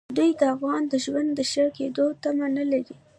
دوی د افغان د ژوند د ښه کېدو تمه نه لري.